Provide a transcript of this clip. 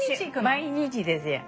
毎日ですやん。